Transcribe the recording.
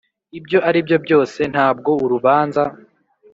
Ibyo ari byo byose ntabwo urubanza